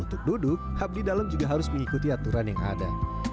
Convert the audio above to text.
untuk duduk abdi dalam juga harus mengikuti aturan yang ada